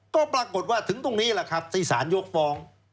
ก็ปรากฏว่าถึงตรงนี้แหละครับที่สารยกฟ้อง